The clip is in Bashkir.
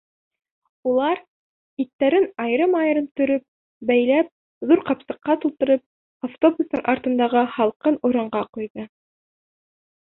Улар, иттәрен айырым-айырым төрөп, бәйләп, ҙур ҡапсыҡҡа тултырып, автобустың артындағы һалҡын урынға ҡуйҙы.